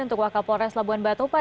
untuk wakal polres labuan batupa